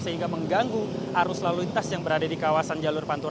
sehingga mengganggu arus lalu lintas yang berada di kawasan jalur pantura